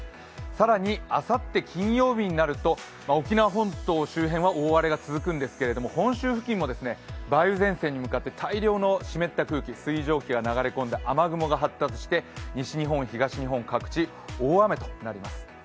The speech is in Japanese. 更にあさって金曜日になると沖縄本島周辺は大荒れが続くんですが、本州付近も梅雨前線に向かって大量の水蒸気が流れ込んで雨雲が発生して西日本、東日本各地、大雨となります。